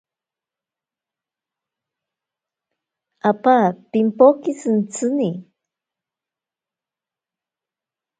Apa pimpoke shintsini.